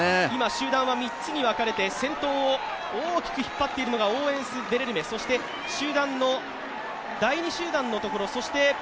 集団は３つに分かれて先頭を大きく引っ張っているのがオーウェンス・デレルメ、そして第２集団のところ